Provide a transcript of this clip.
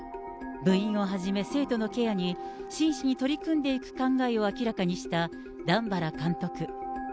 部員をはじめ、生徒のケアに、真摯に取り組んでいく考えを明らかにした段原監督。